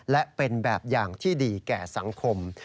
และเป็นแบบอย่างที่ดีแก่สังคม